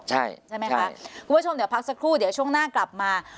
ใช่ไหมคะคุณผู้ชมเดี๋ยวพักสักครู่เดี๋ยวช่วงหน้ากลับมา